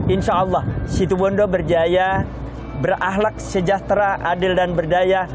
insya allah situ bondo berjaya berahlak sejahtera adil dan berdaya